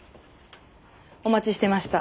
お待ちしていました。